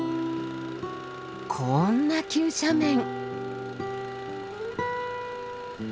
こんな急斜面！